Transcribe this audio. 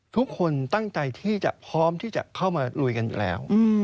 ทุกคนตั้งใจที่จะพร้อมที่จะเข้ามาลุยกันอยู่แล้ว